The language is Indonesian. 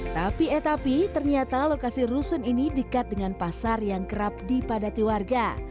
tapi eh tapi ternyata lokasi rusun ini dekat dengan pasar yang kerap dipadati warga